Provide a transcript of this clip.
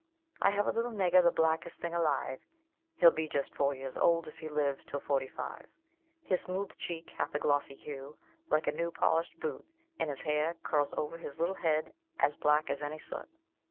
"I have a little nigger, the blackest thing alive, He'll be just four years old if he lives till forty five; His smooth cheek hath a glossy hue, like a new polished boot, And his hair curls o'er his little head as black as any soot.